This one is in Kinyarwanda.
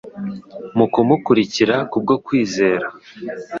Mu kumukurikira kubwo kwizera,